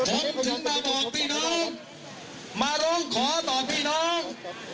ผมถึงมาบอกพี่น้องมาร้องขอต่อพี่น้อง